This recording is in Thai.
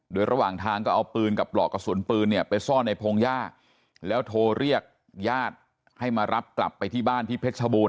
โดยระหว่างทางก็เอาปืนกับปลอกกระสุนปืนเนี่ยไปซ่อนในพงหญ้าแล้วโทรเรียกญาติให้มารับกลับไปที่บ้านที่เพชรชบูรณ